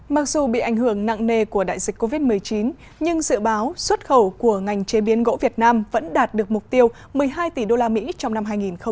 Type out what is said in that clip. mặc dù bị ảnh hưởng nặng nề của đại dịch covid một mươi chín nhưng dự báo xuất khẩu của ngành chế biến gỗ việt nam vẫn đạt được mục tiêu một mươi hai tỷ usd trong năm hai nghìn hai mươi